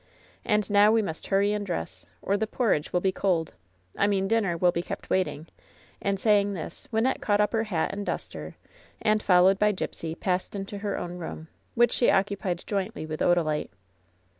And now we must hurry and dress, or the porridge will be cold — I mean dinner will be kept waiting," and say ing this, Wynnette caught up her hat and duster, and, followed by Gipsy, passed into her own room, which she occupied jointly with Odalite.